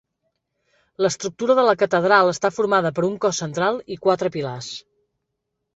L'estructura de la catedral està formada per un cos central i quatre pilars.